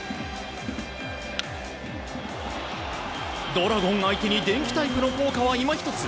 ドラゴン相手に電気タイプの効果は今ひとつ。